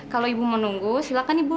kalau ibu mau nunggu silakan ibu